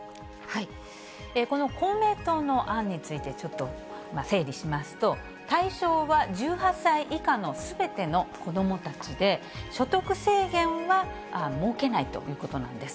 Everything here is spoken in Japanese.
この公明党の案について、ちょっと整理しますと、対象は１８歳以下のすべての子どもたちで、所得制限は設けないということなんです。